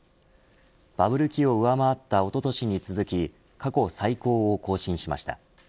バブル期を上回ったおととしに続き過去最高を更新しました。